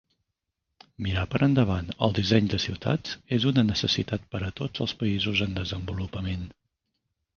Mirar per endavant el disseny de ciutats és una necessitat per a tots els països en desenvolupament.